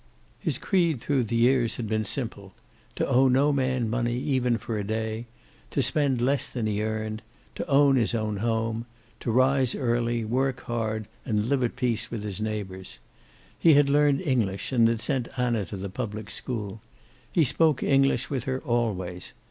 His creed through the years had been simple: to owe no man money, even for a day; to spend less than he earned; to own his own home; to rise early, work hard, and to live at peace with his neighbors. He had learned English and had sent Anna to the public school. He spoke English with her, always.